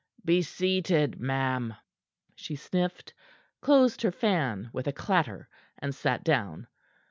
"Be seated, ma'am." She sniffed, closed her fan with a clatter, and sat down.